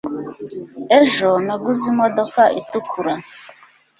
ejo, naguze imodoka itukura